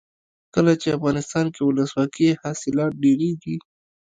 کله چې افغانستان کې ولسواکي وي حاصلات ډیریږي.